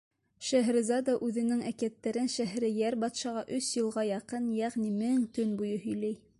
Шәһрезада үҙенең әкиәттәрен Шәһрейәр батшаға өс йылға яҡын, йәғни мең төн буйы, һөйләй.